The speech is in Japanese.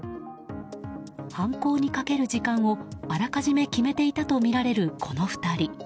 犯行にかける時間をあらかじめ決めていたとみられるこの２人。